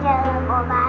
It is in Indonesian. belajar oba lu tante